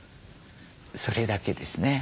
それだけですね。